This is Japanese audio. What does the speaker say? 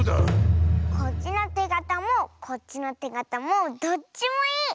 こっちのてがたもこっちのてがたもどっちもいい！